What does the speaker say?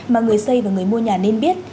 mà người xây và người mua nhà nên biết